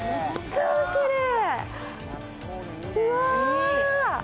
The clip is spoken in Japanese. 超きれい！